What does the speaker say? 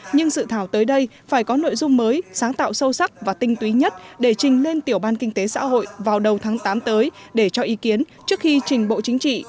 nhưng dự thảo tới đây phải có nội dung mới sáng tạo sâu sắc và tinh túy nhất để trình lên tiểu ban kinh tế xã hội vào đầu tháng tám tới để cho ý kiến trước khi trình bộ chính trị